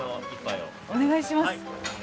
お願いします。